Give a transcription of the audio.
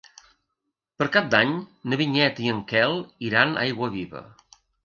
Per Cap d'Any na Vinyet i en Quel iran a Aiguaviva.